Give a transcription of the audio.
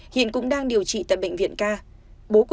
hiện cũng đang điều trị tại bệnh viện k